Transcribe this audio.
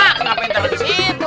kenapa yang taruh di situ